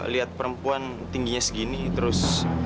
lihat perempuan tingginya segini terus